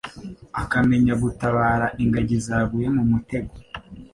Akamenya gutabara ingagi zaguye mu mutego.